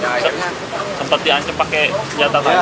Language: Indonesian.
nah akhirnya seperti anggota pakai senjata tajam